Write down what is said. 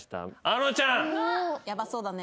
ヤバそうだね。